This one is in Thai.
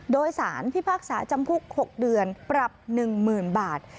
โดยสารพิพากษาจำคุก๖เดือนปรับ๑๐๐๐บาท